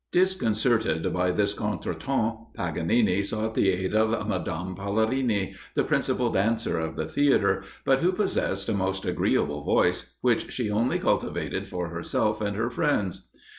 Disconcerted by this contretemps, Paganini sought the aid of Madame Pallerini, the principal dancer of the theatre, but who possessed a most agreeable voice, which she only cultivated for herself and her friends.